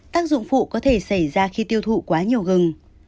tác dụng phụ có thể xảy ra khi tiêu thụ quá nhiều gừng